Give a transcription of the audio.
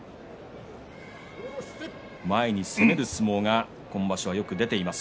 前に攻める相撲が今場所よく出ています